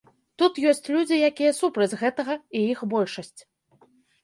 Тут ёсць людзі, якія супраць гэтага, і іх большасць.